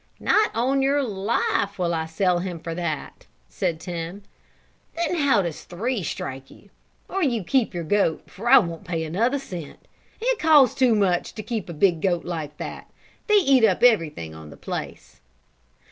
"Not on your life will I sell him for that," said Tim. "Then how does three strike you, or you keep your goat for I won't pay another cent. It costs too much to keep a big goat like that; they eat up everything on the place."